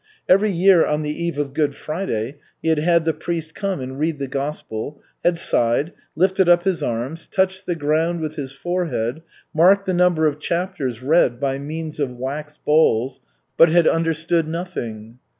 Every year on the eve of Good Friday he had had the priest come and read the gospel, had sighed, lifted up his arms, touched the ground with his forehead, marked the number of chapters read by means of wax balls, but had understood nothing.